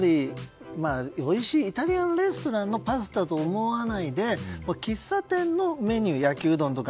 おいしいイタリアンレストランのパスタと思わないで喫茶店のメニューとして。